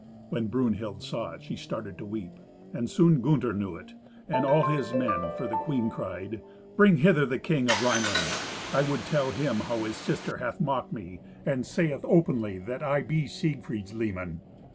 When Brunhild saw it she started to weep. And soon Gunther knew it, and all his men, for the queen cried, "Bring hither the King of Rhineland; I would tell him how his sister hath mocked me, and sayeth openly that I be Siegfried's leman."